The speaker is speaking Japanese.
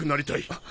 あっ。